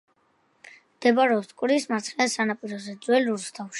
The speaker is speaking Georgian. მდებარეობს მტკვრის მარცხენა სანაპიროზე, ძველ რუსთავში.